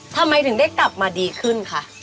ทำไมถึงได้กลับมาดีขึ้นคะ